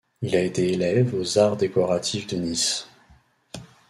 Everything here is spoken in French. Il a été élève aux Arts décoratifs de Nice.